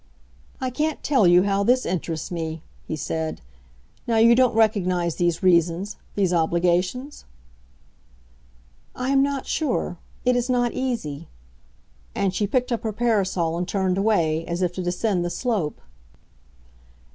"I can't tell you how this interests me," he said. "Now you don't recognize these reasons—these obligations?" "I am not sure; it is not easy." And she picked up her parasol and turned away, as if to descend the slope.